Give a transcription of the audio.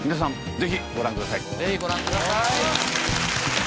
ぜひご覧ください。